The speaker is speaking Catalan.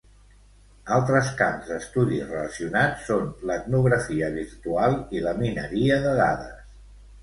Altres camps d'estudi relacionats són l'Etnografia virtual i la Mineria de dades.